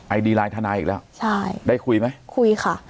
ดีไลน์ทนายอีกแล้วใช่ได้คุยไหมคุยค่ะ